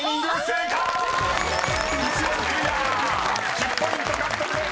１０ポイント獲得です］